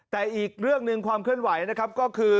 แต่อีกเรื่องหนึ่งความเคลื่อนไหวนะครับก็คือ